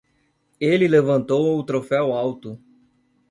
Ele levantou o troféu alto.